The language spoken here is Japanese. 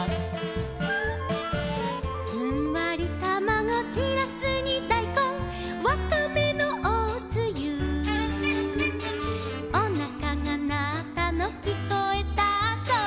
「ふんわりたまご」「しらすにだいこん」「わかめのおつゆ」「おなかがなったのきこえたぞ」